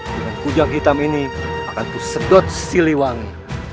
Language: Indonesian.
dengan kujang hitam ini akan ku sedot sili wangi